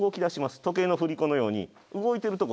時計の振り子のように動いてるとこ想像するだけ。